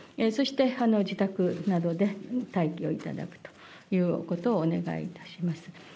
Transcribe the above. そして自宅などで待機をいただくということをお願いいたします。